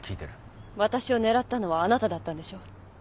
私を狙ったのはあなただったんでしょ？